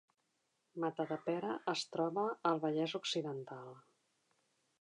Matadepera es troba al Vallès Occidental